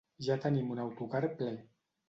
Ja tenim un autocar ple.